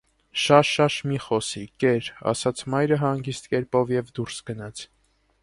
- Շաշ-շաշ մի՛ խոսի, կեր,- ասաց մայրը հանգիստ կերպով և դուրս գնաց: